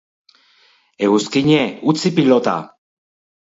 Eguzkiñe, utzi pilota.